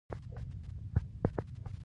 مځکه یو مقناطیسي ميدان لري.